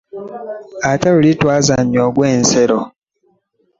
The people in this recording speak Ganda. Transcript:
Ate luli twazannya ogw'ensero .